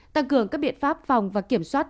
tăng cường các biện pháp phòng và kiểm soát